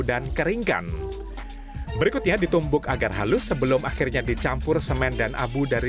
dan keringkan berikutnya ditumbuk agar halus sebelum akhirnya dicampur semen dan abu dari